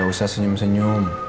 gak usah senyum senyum